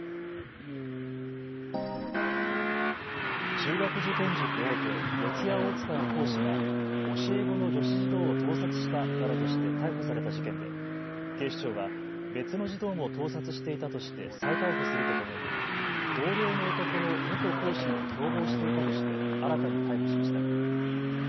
中学受験塾大手、四谷大塚の講師が教え子の女子児童を盗撮したなどとして逮捕された事件で警視庁は別の児童も盗撮していたとして再逮捕するとともに同僚の男の元講師も共謀していたとして新たに逮捕しました。